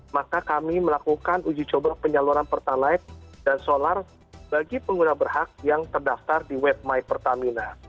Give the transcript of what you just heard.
maka kami melakukan uji coba penyaluran pertalite dan solar bagi pengguna berhak yang terdaftar di web my pertamina